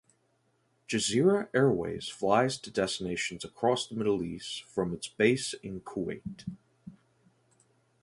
Jazeera Airways flies to destinations across the Middle East from its base in Kuwait.